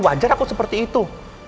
wajar aku seperti itu